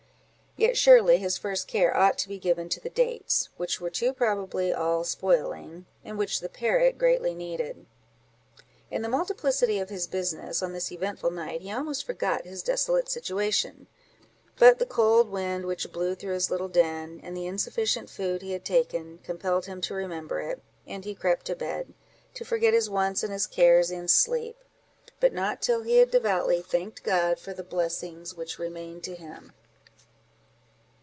—Yet surely his first care ought to be given to the dates, which were too probably all spoiling, and which the parrot greatly needed. In the multiplicity of his business, on this eventful night, he almost forgot his desolate situation; but the cold wind which blew through his little den, and the insufficient food he had taken, compelled him to remember it; and he crept to bed, to forget his wants and his cares in sleep; but not till he had devoutly thanked God for the blessings which remained to him.